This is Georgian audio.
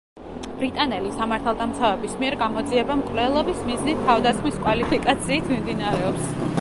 ბრიტანელი სამართალდამცავების მიერ გამოძიება მკვლელობის მიზნით თავდასხმის კვალიფიკაციით მიმდინარეობს.